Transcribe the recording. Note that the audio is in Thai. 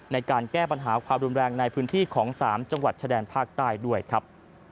ในการแก้ปัญหาความรุนแรงในพื้นที่ของ๓จังหวัดชายแดนภาคใต้ด้วยครับ